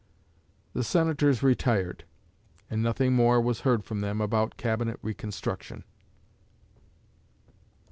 '" The Senators retired, and nothing more was heard from them about Cabinet reconstruction.